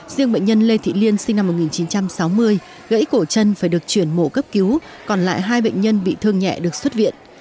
riêng bệnh nhân lê thị liên sinh năm một nghìn chín trăm sáu mươi gãy cổ chân phải được chuyển mổ cấp cứu còn lại hai bệnh nhân bị thương nhẹ được xuất viện